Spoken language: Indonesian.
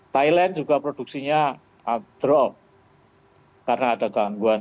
thailand juga produksinya drop karena ada gangguan